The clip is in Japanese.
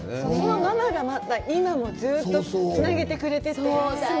ママがまた今もずっとつなげてくれてて。